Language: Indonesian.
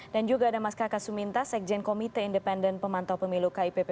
dan juga ada mas kakak suminta sekjen komite independen pemantau pemilu kipp